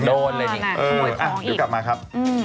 โดนเลยถ่วยของอีกอ่ะเดี๋ยวกลับมาครับ